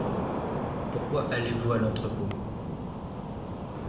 Pourquoi allez-vous à l'entrepôt ?